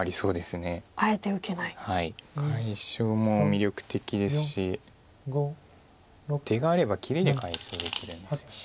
解消も魅力的ですし出があれば切りで解消できるんですよね。